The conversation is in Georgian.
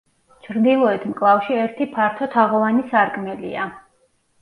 ჩრდილოეთ მკლავში ერთი ფართო თაღოვანი სარკმელია.